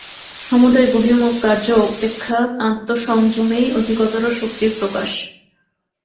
সমুদয় বহির্মুখ কার্য অপেক্ষা আত্মসংযমেই অধিকতর শক্তির প্রকাশ।